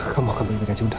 kamu akan baik baik aja udah